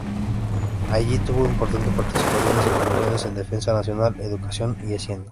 Allí tuvo importante participaciones en comisiones de Defensa Nacional, Educación y Hacienda.